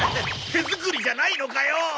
手作りじゃないのかよ！